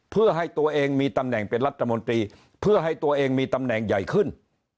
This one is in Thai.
เพื่อให้ตัวเองมีตำแหน่งเป็นรัฐมนตรีเพื่อให้ตัวเองมีตำแหน่งใหญ่ขึ้น